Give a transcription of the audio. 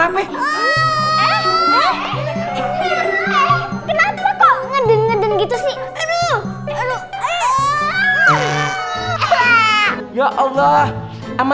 ya allah amalia kalau mau kentut buanggahan